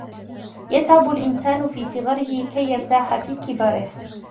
يَتْعَبُ الْإِنْسانُ فِي صِغَرِهِ كَيْ يَرْتَاحَ فِي كِبَرِهِ.